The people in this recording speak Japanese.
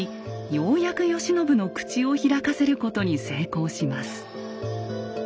ようやく慶喜の口を開かせることに成功します。